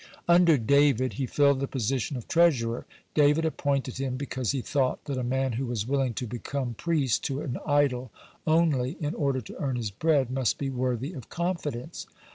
Under David he filled the position of treasurer. David appointed him because he thought that a man who was willing to become priest to an idol only in order to earn his bread, must be worthy of confidence.